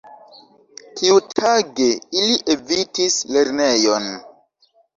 Tiutage ili evitis lernejon.